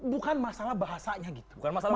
bukan masalah bahasanya gitu